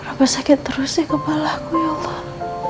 berapa sakit terusnya kepala aku ya allah